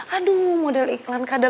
aduh model iklan kadal